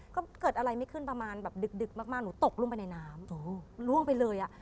ก็เกิดอะไรไม่ขึ้นประมาณแบบดึกดึกมากหนูตกลงไปในน้ำล่วงไปเลยอ่ะ